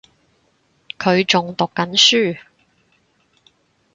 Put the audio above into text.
佢仲讀緊書